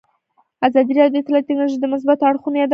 ازادي راډیو د اطلاعاتی تکنالوژي د مثبتو اړخونو یادونه کړې.